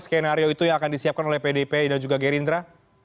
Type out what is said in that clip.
skenario itu yang akan disiapkan oleh pdpi dan juga gerindra